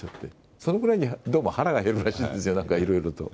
そのぐらいにどうも腹がへるらしいんですよ、なんかいろいろと。